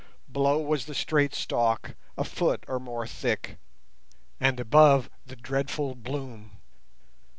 Below was the straight stalk, a foot or more thick, and above the dreadful bloom.